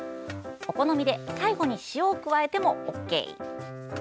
お好みで最後に塩を加えてもＯＫ。